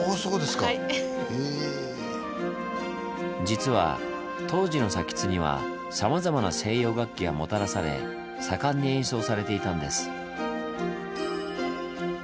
実は当時の津にはさまざまな西洋楽器がもたらされ盛んに演奏されていたんです。